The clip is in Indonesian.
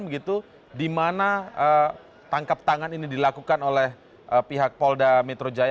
begitu di mana tangkap tangan ini dilakukan oleh pihak polda metro jaya